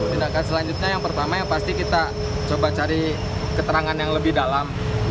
tindakan selanjutnya yang pertama yang pasti kita coba cari keterangan yang lebih dalam